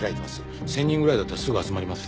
１０００人ぐらいだったらすぐ集まります。